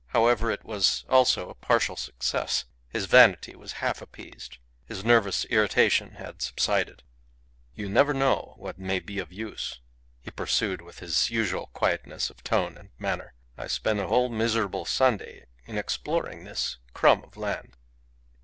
However, it was also a partial success. His vanity was half appeased. His nervous irritation had subsided. "You never know what may be of use," he pursued with his usual quietness of tone and manner. "I spent a whole miserable Sunday in exploring this crumb of land."